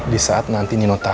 disaat nanti nino tau